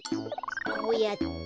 こうやって。